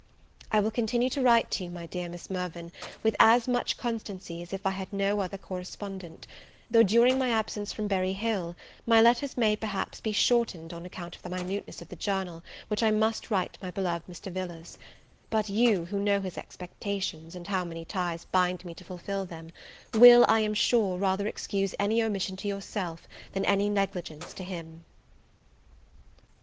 I will continue to write to you, my dear Miss Mirvan, with as much constancy as if I had no other correspondent; though, during my absence from Berry Hill, my letters may, perhaps, be shortened on account of the minuteness of the journal which I must write to my beloved Mr. Villars: but you, who know his expectations, and how many ties bind me to fulfil them, will I am sure, rather excuse any omission to yourself, than any negligence to him.